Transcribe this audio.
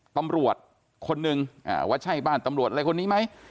ตำรวจคนนึงว่าใช่บ้านตำรวจอะไรคนนี้ไหม